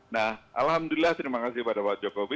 nah alhamdulillah terima kasih kepada pak jokowi